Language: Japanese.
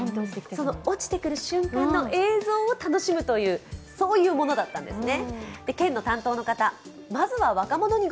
落ちてくる瞬間の映像を楽しむという、そういうものだったんですね。